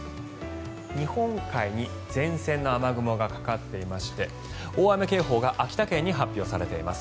日本海に前線の雨雲がかかっていまして大雨警報が秋田県に発表されています。